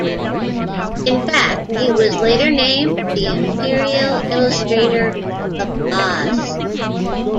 In fact, he was later named the Imperial Illustrator of Oz.